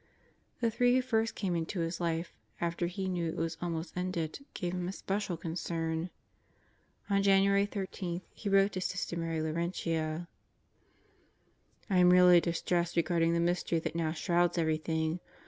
The three who first came into his life after he knew it was almost ended gave him especial concern. On January 13 he wrote to Sister Mary Laurentia: I am really distressed regarding the mystery that now shrouds everything.